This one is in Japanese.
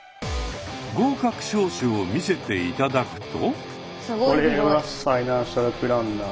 合格証書を見せて頂くと。